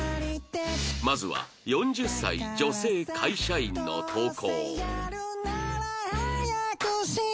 まずは４０歳女性会社員の投稿